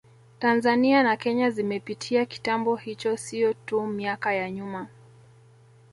Tanzania na Kenya zimepitia kitambo hicho sio tu miaka ya nyuma